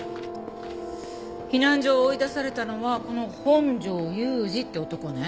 避難所を追い出されたのはこの本庄勇治って男ね。